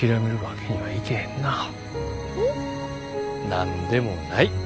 何でもない。